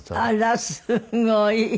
あらすごい。